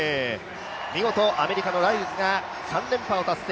見事アメリカのライルズが３連覇を達成。